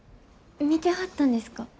見てはったんですか？